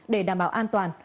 để đảm bảo an toàn